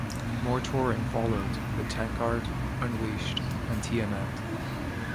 More touring followed, with Tankard, Unleashed and Tiamat.